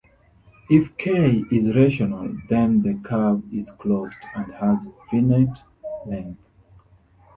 If "k" is rational, then the curve is closed and has finite length.